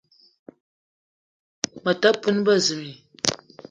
Me te poun bezimbi